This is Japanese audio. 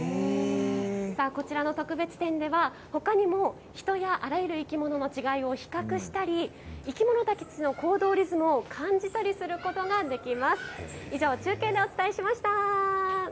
こちらの特別展では、ほかにも、人やあらゆる生き物の違いを比較したり、生き物たちの行動リズムを感じたりすることができます。